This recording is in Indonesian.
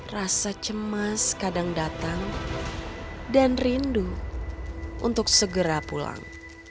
rasa cemas kadang datang dan rindu untuk segera pulang